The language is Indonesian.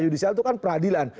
yudisial itu kan peradilan